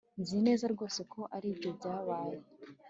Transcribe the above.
Nzi neza rwose ko aribyo byabaye